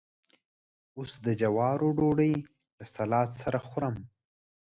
اوس د جوارو ډوډۍ له سلاد سره خورم.